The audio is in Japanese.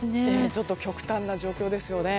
ちょっと極端な状況ですよね。